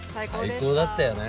最高だったよね